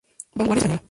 Vanguardia Española.